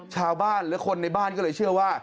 ชาวบ้านหรือคนในบ้านก็เลยเชื่อว่า